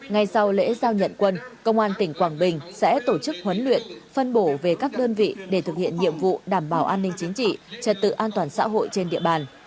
ngay sau lễ giao nhận quân công an tỉnh quảng bình sẽ tổ chức huấn luyện phân bổ về các đơn vị để thực hiện nhiệm vụ đảm bảo an ninh chính trị trật tự an toàn xã hội trên địa bàn